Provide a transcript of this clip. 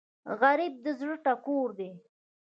غریب د زړونو ټکور دی